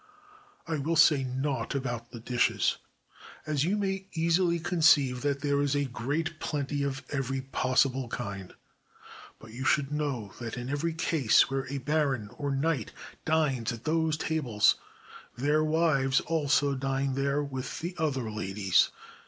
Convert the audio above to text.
I will say nought about the dishes, as you may easily conceive that there is a great plenty of every possible kind. But you should know that in every case where a baron or knight dines at those tables, their wives also dine there with the other ladies.